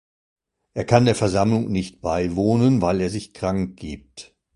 Er kann der Versammlung nicht beiwohnen, weil er sich krank gibt.